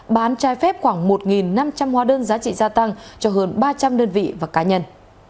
bán trái phép khoảng một năm trăm linh hóa đơn giá trị gia tăng cho hơn ba trăm linh đơn vị và cá nhân